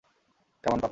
Come on papa.